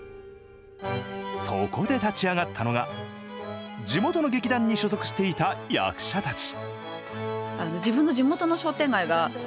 そこで立ち上がったのが地元の劇団に所属していた役者たち。